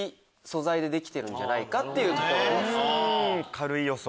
軽い予想。